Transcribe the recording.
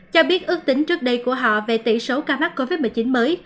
cho biết ước tính trước đây của họ về tỷ số ca mắc covid một mươi chín mới